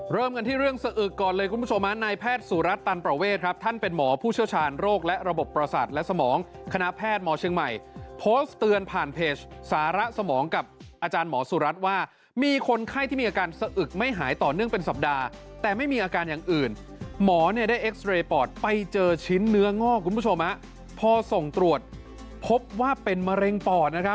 เริ่มกันที่เรื่องสะอึกก่อนเลยคุณผู้ชมนะในแพทย์สุรัสตร์ตันประเวทครับท่านเป็นหมอผู้เชี่ยวชาญโรคและระบบประสัตว์และสมองคณะแพทย์หมอเชียงใหม่โพสต์เตือนผ่านเพจสาระสมองกับอาจารย์หมอสุรัสตร์ว่ามีคนไข้ที่มีอาการสะอึกไม่หายต่อเนื่องเป็นสัปดาห์แต่ไม่มีอาการอย่างอื่นหมอเนี่ยได้เอ็กซ์เรย์ป